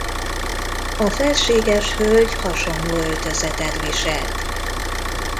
A felséges hölgy hasonló öltözetet viselt.